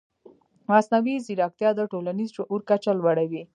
مصنوعي ځیرکتیا د ټولنیز شعور کچه لوړوي.